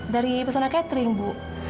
dari pesona catering bu